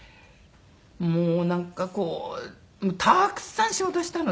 もうなんかこうたくさん仕事したので。